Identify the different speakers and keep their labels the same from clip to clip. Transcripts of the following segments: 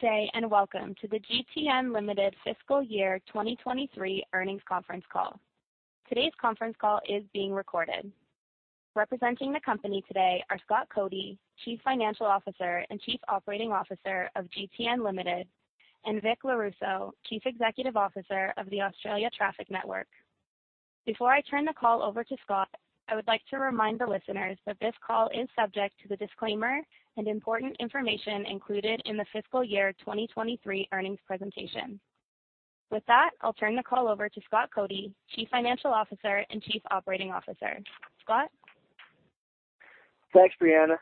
Speaker 1: Good day, and welcome to the GTN Limited Fiscal Year 2023 Earnings Conference Call. Today's conference call is being recorded. Representing the company today are Scott Cody, Chief Financial Officer and Chief Operating Officer of GTN Limited, and Vic Lorusso, Chief Executive Officer of the Australian Traffic Network. Before I turn the call over to Scott, I would like to remind the listeners that this call is subject to the disclaimer and important information included in the fiscal year 2023 earnings presentation. With that, I'll turn the call over to Scott Cody, Chief Financial Officer and Chief Operating Officer. Scott?
Speaker 2: Thanks, Brianna,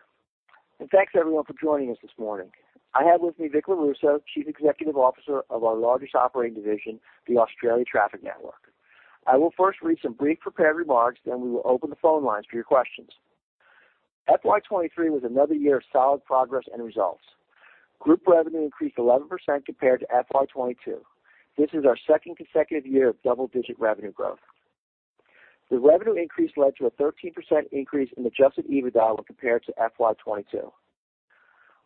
Speaker 2: and thanks everyone for joining us this morning. I have with me Vic Lorusso, Chief Executive Officer of our largest operating division, the Australian Traffic Network. I will first read some brief prepared remarks, then we will open the phone lines for your questions. FY 2023 was another year of solid progress and results. Group revenue increased 11% compared to FY 2022. This is our second consecutive year of double-digit revenue growth. The revenue increase led to a 13% increase in adjusted EBITDA when compared to FY 2022.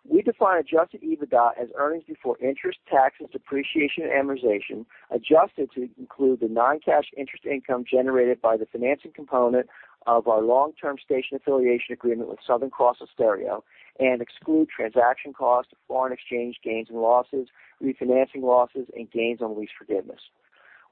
Speaker 2: We define adjusted EBITDA as earnings before interest, taxes, depreciation, and amortization, adjusted to include the non-cash interest income generated by the financing component of our long-term station affiliation agreement with Southern Cross Austereo and exclude transaction costs, foreign exchange gains and losses, refinancing losses, and gains on lease forgiveness.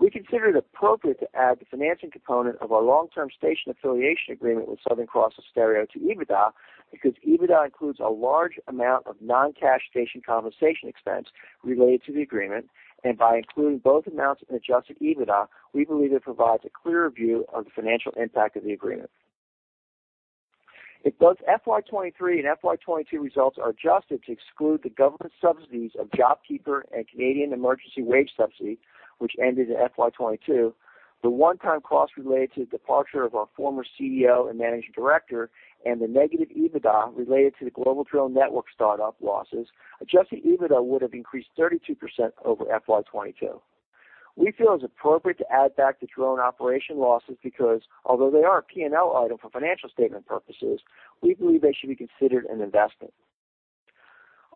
Speaker 2: We consider it appropriate to add the financing component of our long-term station affiliation agreement with Southern Cross Austereo to EBITDA, because EBITDA includes a large amount of non-cash station compensation expense related to the agreement, and by including both amounts in adjusted EBITDA, we believe it provides a clearer view of the financial impact of the agreement. If both FY 2023 and FY 2022 results are adjusted to exclude the government subsidies of JobKeeper and Canadian Emergency Wage Subsidy, which ended in FY 2022, the one-time costs related to the departure of our former CEO and managing director and the negative EBITDA related to the Global Drone Network startup losses, adjusted EBITDA would have increased 32% over FY 2022. We feel it's appropriate to add back the drone operation losses because although they are a P&L item for financial statement purposes, we believe they should be considered an investment.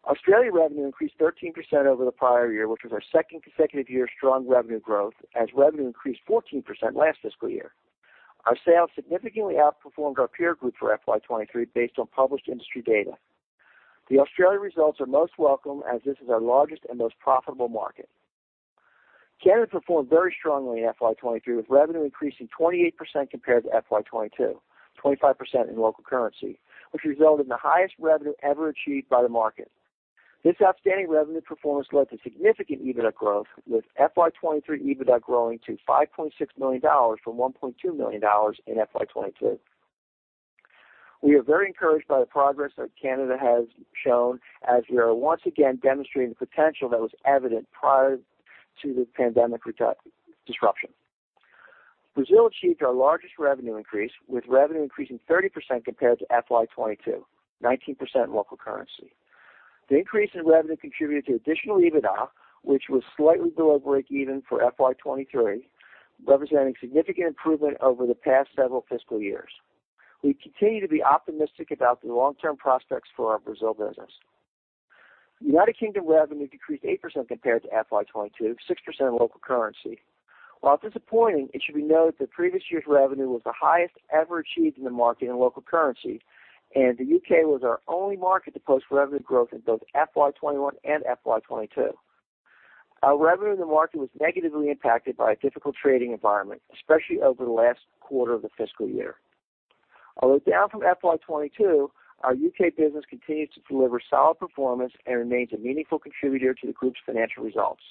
Speaker 2: Australia revenue increased 13% over the prior year, which was our second consecutive year of strong revenue growth as revenue increased 14% last fiscal year. Our sales significantly outperformed our peer group for FY 2023, based on published industry data. The Australia results are most welcome as this is our largest and most profitable market. Canada performed very strongly in FY 2023, with revenue increasing 28% compared to FY 2022, 25% in local currency, which resulted in the highest revenue ever achieved by the market. This outstanding revenue performance led to significant EBITDA growth, with FY 2023 EBITDA growing to 5.6 million dollars from 1.2 million dollars in FY 2022. We are very encouraged by the progress that Canada has shown, as we are once again demonstrating the potential that was evident prior to the pandemic disruption. Brazil achieved our largest revenue increase, with revenue increasing 30% compared to FY 2022, 19% in local currency. The increase in revenue contributed to additional EBITDA, which was slightly below breakeven for FY 2023, representing significant improvement over the past several fiscal years. We continue to be optimistic about the long-term prospects for our Brazil business. United Kingdom revenue decreased 8% compared to FY 2022, 6% in local currency. While disappointing, it should be noted that previous year's revenue was the highest ever achieved in the market in local currency, and the U.K. was our only market to post revenue growth in both FY 2021 and FY 2022. Our revenue in the market was negatively impacted by a difficult trading environment, especially over the last quarter of the fiscal year. Although down from FY 2022, our U.K. business continues to deliver solid performance and remains a meaningful contributor to the group's financial results.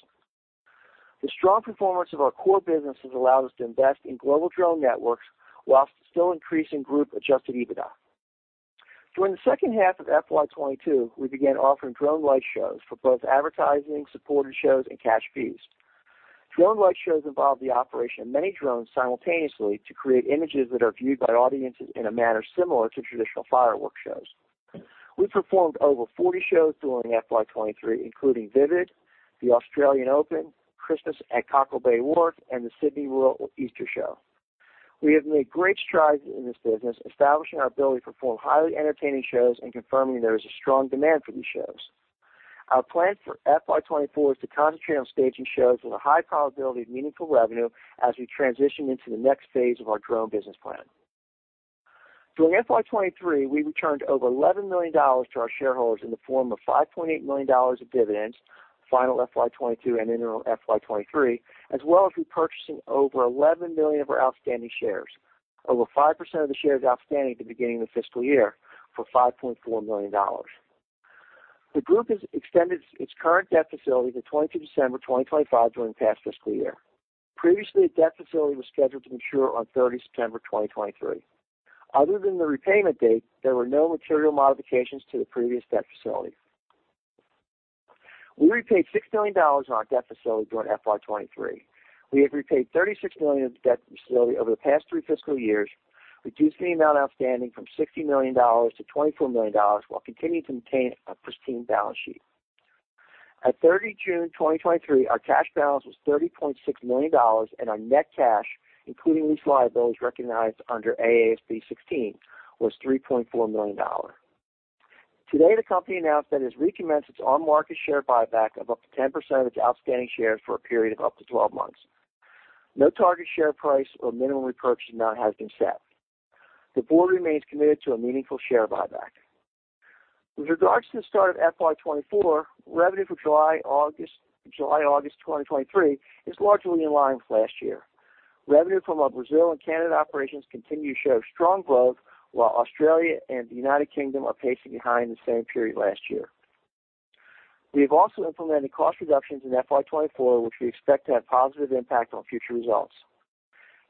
Speaker 2: The strong performance of our core businesses allowed us to invest in Global Drone Network while still increasing group-adjusted EBITDA. During the second half of FY 2022, we began offering drone light shows for both advertising-supported shows and cash fees. Drone light shows involve the operation of many drones simultaneously to create images that are viewed by audiences in a manner similar to traditional firework shows. We performed over 40 shows during FY 2023, including Vivid, the Australian Open, Christmas at Cockle Bay Wharf, and the Sydney Royal Easter Show. We have made great strides in this business, establishing our ability to perform highly entertaining shows and confirming there is a strong demand for these shows. Our plan for FY 2024 is to concentrate on staging shows with a high probability of meaningful revenue as we transition into the next phase of our drone business plan. During FY 2023, we returned over 11 million dollars to our shareholders in the form of 5.8 million dollars of dividends, final FY 2022 and interim FY 2023, as well as repurchasing over 11 million of our outstanding shares. Over 5% of the shares outstanding at the beginning of the fiscal year for 5.4 million dollars. The group has extended its current debt facility to 22 December 2025 during the past fiscal year. Previously, the debt facility was scheduled to mature on 30 September 2023. Other than the repayment date, there were no material modifications to the previous debt facility. We repaid 6 million dollars on our debt facility during FY 2023. We have repaid 36 million of the debt facility over the past three fiscal years, reducing the amount outstanding from 60 million dollars to 24 million dollars, while continuing to maintain a pristine balance sheet. At 30 June 2023, our cash balance was 30.6 million dollars, and our net cash, including lease liabilities recognized under AASB 16, was 3.4 million dollars. Today, the company announced that it has recommenced its on-market share buyback of up to 10% of its outstanding shares for a period of up to 12 months. No target share price or minimum repurchase amount has been set. The board remains committed to a meaningful share buyback. With regards to the start of FY 2024, revenue for July, August 2023 is largely in line with last year. Revenue from our Brazil and Canada operations continue to show strong growth, while Australia and the United Kingdom are pacing behind the same period last year. We have also implemented cost reductions in FY 2024, which we expect to have positive impact on future results.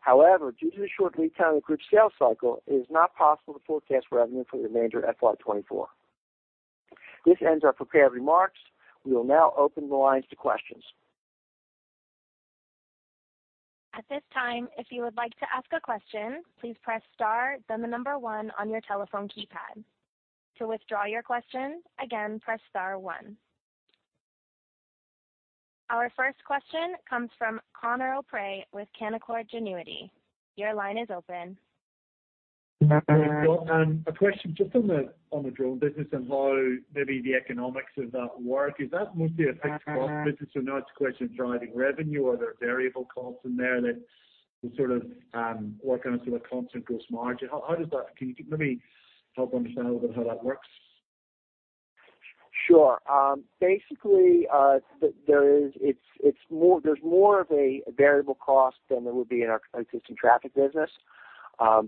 Speaker 2: However, due to the short lead time of group sales cycle, it is not possible to forecast revenue for the remainder of FY 2024. This ends our prepared remarks. We will now open the lines to questions.
Speaker 1: At this time, if you would like to ask a question, please press star, then the number one on your telephone keypad. To withdraw your question, again, press star one. Our first question comes from Conor O'Prey with Canaccord Genuity. Your line is open.
Speaker 3: Hi, Scott. A question just on the, on the drone business and how maybe the economics of that work. Is that mostly a fixed cost business, or now it's a question of driving revenue? Are there variable costs in there that sort of, work on a sort of constant gross margin? How does that... Can you maybe help understand a little bit how that works?
Speaker 2: Sure. Basically, there is—it's more, there's more of a variable cost than there would be in our existing traffic business,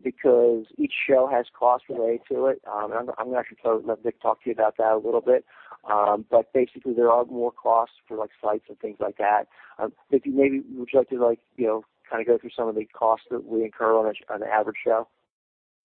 Speaker 2: because each show has costs related to it. And I'm actually going to let Vic talk to you about that a little bit. But basically there are more costs for, like, sites and things like that. Vic, maybe would you like to, like, you know, kind of go through some of the costs that we incur on an average show?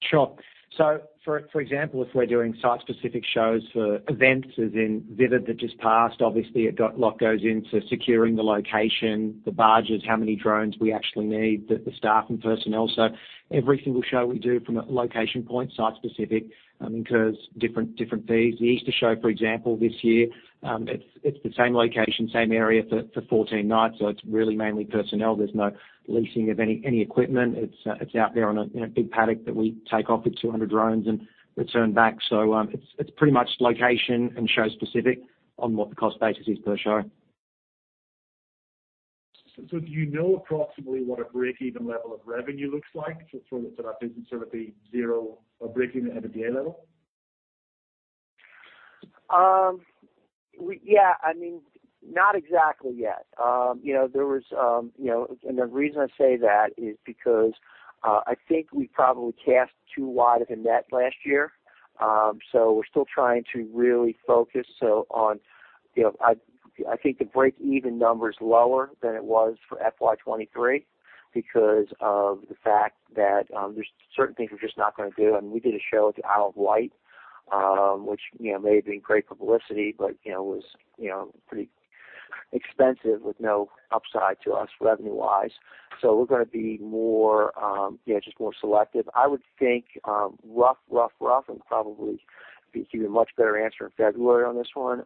Speaker 4: Sure. So for example, if we're doing site-specific shows for events, as in Vivid, that just passed, obviously a lot goes into securing the location, the barges, how many drones we actually need, the staff and personnel. So every single show we do from a location point, site-specific, incurs different fees. The Easter Show, for example, this year, it's the same location, same area for 14 nights, so it's really mainly personnel. There's no leasing of any equipment. It's out there on a, you know, big paddock that we take off with 200 drones and return back. So, it's pretty much location and show specific on what the cost basis is per show.
Speaker 3: So do you know approximately what a break-even level of revenue looks like for that business? Sort of the zero or break-even EBITDA level?
Speaker 2: Yeah, I mean, not exactly yet. You know, there was, you know, and the reason I say that is because I think we probably cast too wide of a net last year. So we're still trying to really focus so on, you know, I think the break-even number is lower than it was for FY 2023 because of the fact that there's certain things we're just not gonna do. I mean, we did a show at the Isle of Wight, which, you know, may have been great for publicity, but, you know, was pretty expensive with no upside to us, revenue-wise. So we're gonna be more, you know, just more selective. I would think, rough, rough, rough, and probably be giving a much better answer in February on this one,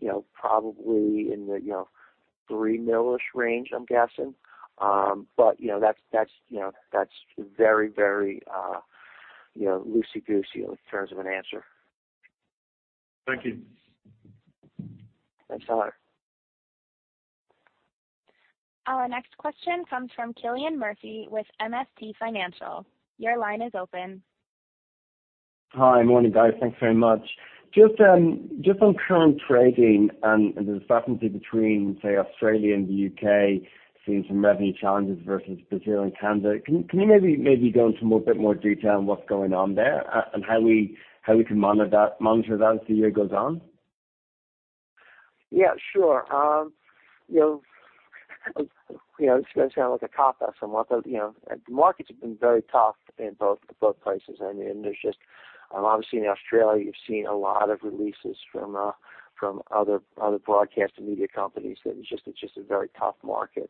Speaker 2: you know, probably in the, you know, three millish range, I'm guessing. But, you know, that's, that's, you know, that's very, very, you know, loosey goosey in terms of an answer.
Speaker 3: Thank you.
Speaker 2: Thanks a lot.
Speaker 1: Our next question comes from Killian Murphy with MST Financial. Your line is open.
Speaker 5: Hi. Morning, guys. Thanks very much. Just on current trading and the difference between, say, Australia and the UK, seeing some revenue challenges versus Brazil and Canada, can you maybe go into more, a bit more detail on what's going on there, and how we can monitor that as the year goes on?
Speaker 2: Yeah, sure. You know, you know, it's gonna sound like a cop-out, somewhat, but, you know, the markets have been very tough in both, both places. I mean, there's just... Obviously, in Australia, you've seen a lot of releases from, from other, other broadcast and media companies. It's just, it's just a very tough market.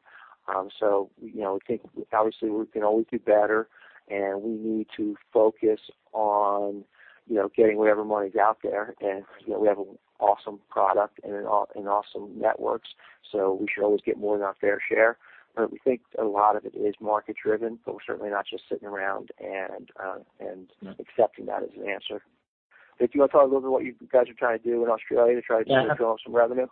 Speaker 2: So you know, we think obviously we can always do better, and we need to focus on, you know, getting whatever money's out there and, you know, we have an awesome product and an awe- and awesome networks, so we should always get more than our fair share. But we think a lot of it is market driven, but we're certainly not just sitting around and, and accepting that as an answer. Vic, do you want to talk a little bit what you guys are trying to do in Australia to try to draw some revenue?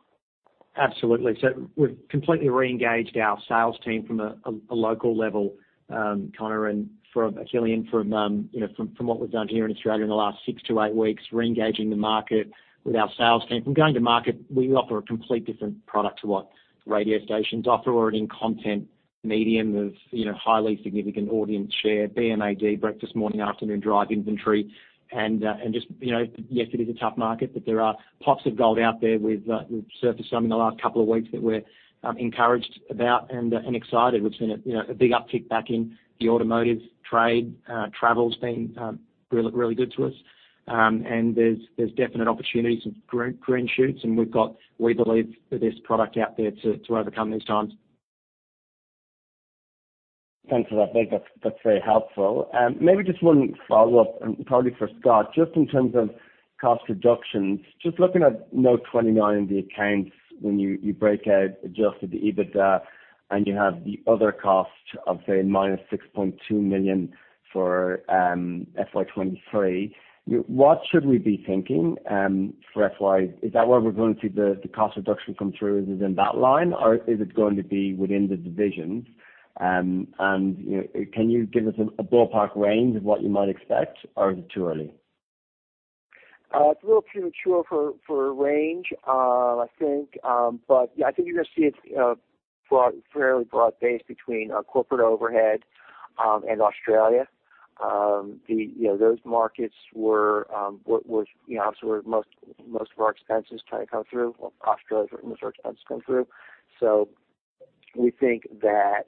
Speaker 4: Absolutely. So we've completely reengaged our sales team from a local level, Conor and from Killian, from you know, from what we've done here in Australia in the last 6-8 weeks, reengaging the market with our sales team. From going to market, we offer a complete different product to what radio stations offer or in content medium of you know, highly significant audience share, BMAD, breakfast, morning, afternoon, drive inventory, and just you know. Yes, it is a tough market, but there are pots of gold out there. We've surfaced some in the last couple of weeks that we're encouraged about and excited. We've seen a you know, a big uptick back in the automotive trade. Travel's been really, really good to us. And there's definite opportunities of green shoots, and we've got, we believe, the best product out there to overcome these times. ...
Speaker 5: Thanks for that. That's, that's very helpful. Maybe just one follow-up, and probably for Scott. Just in terms of cost reductions, just looking at note 29 in the accounts, when you, you break out Adjusted EBITDA, and you have the other cost of, say, -6.2 million for FY 2023, what should we be thinking for FY? Is that where we're going to see the cost reduction come through, is it in that line, or is it going to be within the divisions? And, you know, can you give us a ballpark range of what you might expect, or is it too early?
Speaker 2: It's a little premature for a range, I think, but yeah, I think you're gonna see it broad, fairly broad-based between our corporate overhead and Australia. You know, those markets were, you know, obviously, where most of our expenses kind of come through. Well, Australia is where most of our expenses come through. So we think that,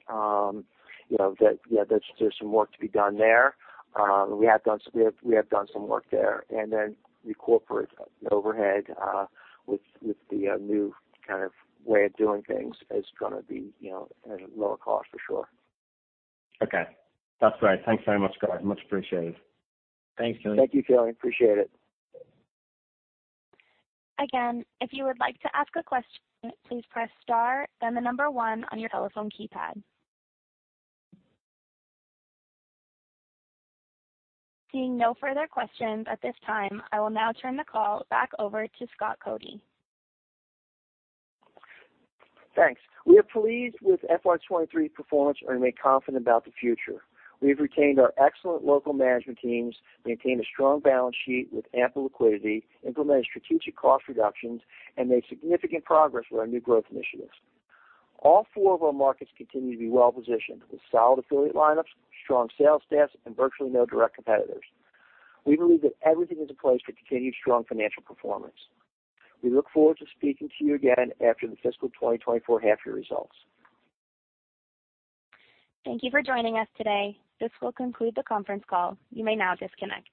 Speaker 2: you know, that, yeah, there's some work to be done there. We have done some work there, and then the corporate overhead with the new kind of way of doing things is gonna be, you know, at a lower cost, for sure.
Speaker 5: Okay. That's great. Thanks very much, Scott. Much appreciated.
Speaker 2: Thanks, Killian.
Speaker 4: Thank you, Killian. Appreciate it.
Speaker 1: Again, if you would like to ask a question, please press star, then the number one on your telephone keypad. Seeing no further questions at this time, I will now turn the call back over to Scott Cody.
Speaker 2: Thanks. We are pleased with FY 2023 performance and remain confident about the future. We have retained our excellent local management teams, maintained a strong balance sheet with ample liquidity, implemented strategic cost reductions, and made significant progress with our new growth initiatives. All four of our markets continue to be well-positioned, with solid affiliate lineups, strong sales staffs, and virtually no direct competitors. We believe that everything is in place for continued strong financial performance. We look forward to speaking to you again after the fiscal 2024 half-year results.
Speaker 1: Thank you for joining us today. This will conclude the conference call. You may now disconnect.